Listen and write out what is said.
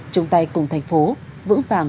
chung tay cùng thành phố vững phàng